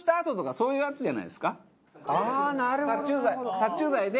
殺虫剤で。